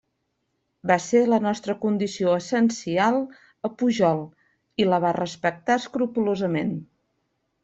Va ser la nostra condició essencial a Pujol i la va respectar escrupolosament.